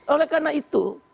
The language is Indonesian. oleh karena itu